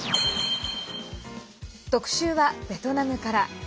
特集はベトナムから。